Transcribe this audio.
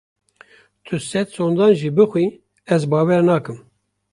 Tu sed sondan jî bixwî ez bawer nakim.